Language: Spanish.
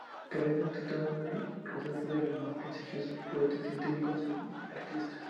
Para ello, trataron de rodearse de los más prestigiosos poetas, científicos y artistas.